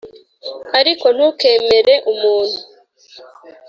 ariko ntukemere umuntu